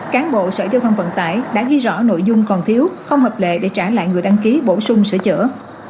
cán bộ sở giao thông vận tải đã ghi rõ nội dung còn thiếu không hợp lệ để trả lại người đăng ký bổ sung sửa chữa